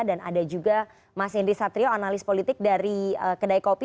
dan ada juga mas henry satrio analis politik dari kedai kopi